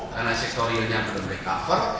karena sektor realnya belum recover